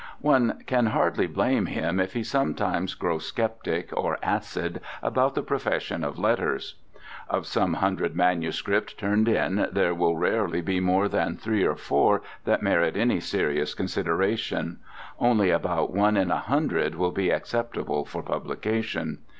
One can hardly blame him if he sometimes grow skeptic or acid about the profession of letters. Of each hundred manuscripts turned in there will rarely be more than three or four that merit any serious consideration; only about one in a hundred will be acceptable for publication.